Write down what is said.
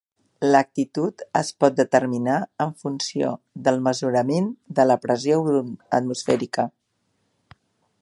L'altitud es pot determinar en funció del mesurament de la pressió atmosfèrica.